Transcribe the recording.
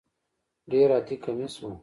ډېر عادي کمیس و.